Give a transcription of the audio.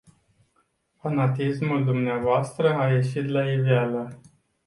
Fanatismul dvs. a ieșit la iveală.